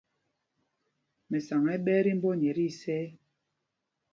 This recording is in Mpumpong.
Mɛsaŋ ɛ́ ɛ́ ɓɛɛ tí mbɔ nyɛ tí isɛɛ.